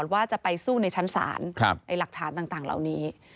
ว่าจะไปสู้ในชั้นศาลหลักฐานต่างเหล่านี้